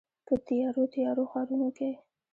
په تیارو، تیارو ښارونو کې